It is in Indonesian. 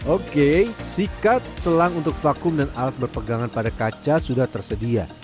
oke sikat selang untuk vakum dan alat berpegangan pada kaca sudah tersedia